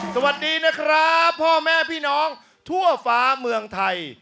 สวัสดีนะครับพ่อแม่พี่น้องทั่วฟ้าเมืองไทย